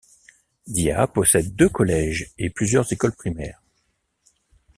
Dya possède deux collèges et plusieurs école primaires.